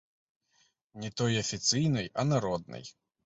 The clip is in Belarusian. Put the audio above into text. Не той, афіцыйнай, а народнай.